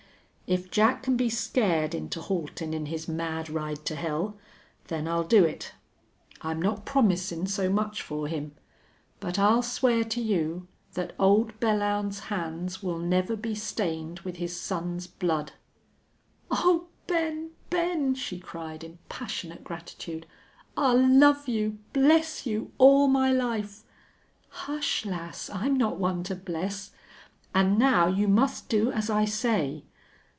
"If Jack can be scared into haltin' in his mad ride to hell then I'll do it. I'm not promisin' so much for him. But I'll swear to you that Old Belllounds's hands will never be stained with his son's blood!" "Oh, Ben! Ben!" she cried, in passionate gratitude. "I'll love you bless you all my life!" "Hush, lass! I'm not one to bless.... An' now you must do as I say.